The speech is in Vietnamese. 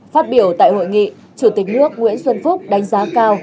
phát biểu tại hội nghị chủ tịch nước nguyễn xuân phúc đánh giá cao